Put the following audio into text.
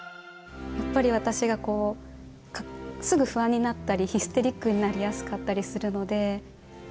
やっぱり私が、こうすぐ不安になったりヒステリックになりやすかったりするので。